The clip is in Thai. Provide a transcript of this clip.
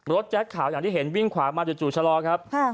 แจ๊คขาวอย่างที่เห็นวิ่งขวามาจู่ชะลอครับ